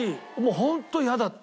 ホント嫌だった。